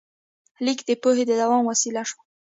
لیک د پوهې د دوام وسیله شوه.